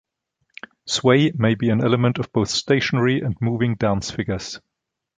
Sway may be an element of both stationary and moving dance figures.